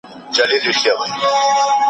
ایا ملي بڼوال وچه الوچه پلوري؟